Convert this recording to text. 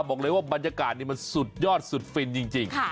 บอกเลยว่าบรรยากาศนี้มันสุดยอดสุดฟินจริง